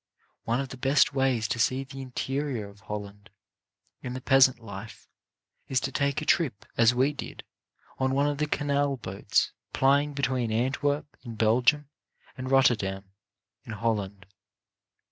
One of the best ways to see the interior of Holland, and the peasant life, is to take a trip, as we did, on one of the canal boats plying between Antwerp, in Belgium, and Rotterdam, in Holland.